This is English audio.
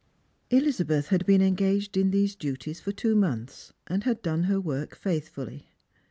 jlizabeth had been engaged in these duties for two months, and had done her work faithfully.